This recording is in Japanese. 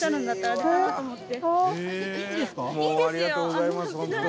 女性：いいですよ！